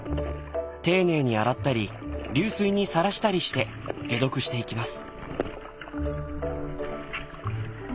丁寧に洗ったり流水にさらしたりして解毒していきます。